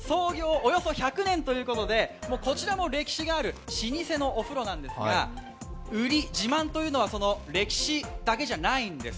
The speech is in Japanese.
およそ１００年ということで、こちらも歴史がある老舗のお風呂なんですが、売り、自慢というのはその歴史だけじゃないんです。